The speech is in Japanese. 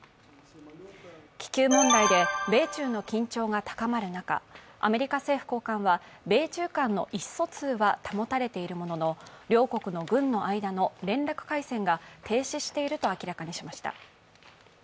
気球問題で米中の緊張が高まる中、アメリカ政府高官は米中間の意思疎通は保たれているものの、両国の軍の間の連絡回線が停止していると明らかにしました。